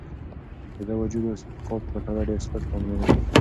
د ده وجود اوس د پخوا په پرتله ډېر سپک معلومېده.